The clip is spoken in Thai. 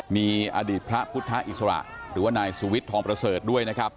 มีอดีตพระพุทธอิสระหรือว่านายสุวิทย์ทองประเสริฐด้วยนะครับ